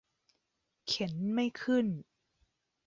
เข็นไม่ขึ้น